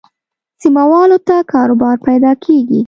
سیمه والو ته کاروبار پیدا کېږي.